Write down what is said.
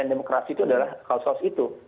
demokrasi itu adalah kaos house itu